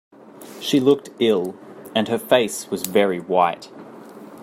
She looked ill, and her face was very white.